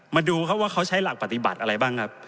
มาดูครับว่าเขาใช้หลักปฏิบัติอะไรบ้างครับ